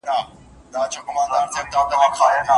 آیا هغه کولای سي چې د خاوند له اجازې پرته څه واخلي؟